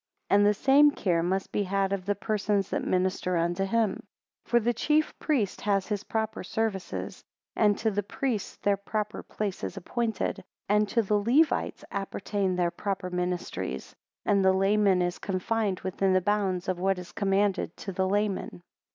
17 And the same care must be had of the persons that minister unto him. 18 For the chief priest has his proper services; and to the priest their proper place is appointed; and to the Levites appertain their proper ministries; and the layman is confined within the bounds of what is commanded to laymen.